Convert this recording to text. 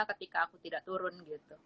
ketika aku tidak turun gitu